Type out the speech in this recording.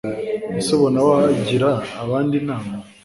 ese ubona wagira abandi inama